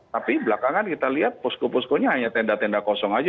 tapi belakangan kita lihat posko poskonya hanya tenda tenda kosong saja